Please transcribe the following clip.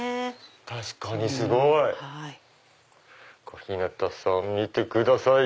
確かにすごい！小日向さん見てください！